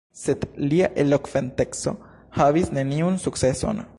Sed lia elokventeco havis neniun sukceson.